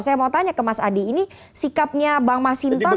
saya mau tanya ke mas adi ini sikapnya bang masinton